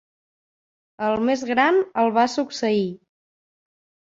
El més gran el va succeir.